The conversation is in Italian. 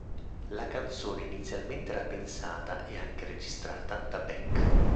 La canzone inizialmente era pensata, e anche registrata, da Beck.